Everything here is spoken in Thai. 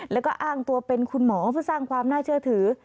แล้วก็อ้างตัวเป็นคุณหมอเพื่อสร้างความน่าเชื่อถือ